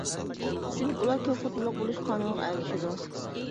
چۈنكى، ئۇلار كۆپ خوتۇنلۇق بولۇش قانۇنىغا ئەگىشىدۇ.